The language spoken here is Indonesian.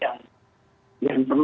yang perlu kita waspadai bersama